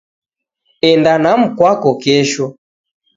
Enda na mkwako kesho